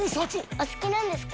お好きなんですか？